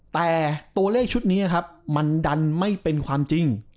แต่ตัวเลขชุดนี้ครับมันดันไม่เป็นความจริง